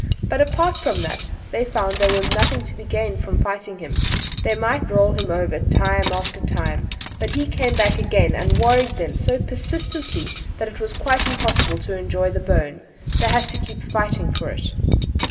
But apart from that, they found there was nothing to be gained by fighting him: they might roll him over time after time, but he came back again and worried them so persistently that it was quite impossible to enjoy the bone they had to keep on fighting for it.